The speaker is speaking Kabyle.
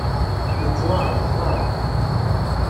Ur tettwaɛerḍeḍ ara.